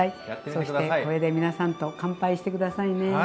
そしてこれで皆さんと乾杯して下さいね。